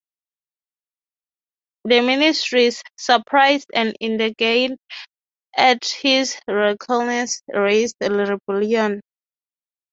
The ministers, surprised and indignant at his recalcitrance, raised a rebellion.